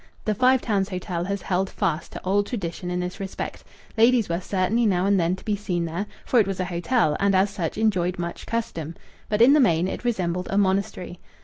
The Five Towns Hotel has held fast to old tradition in this respect. Ladies were certainly now and then to be seen there, for it was a hotel and as such enjoyed much custom. But in the main it resembled a monastery.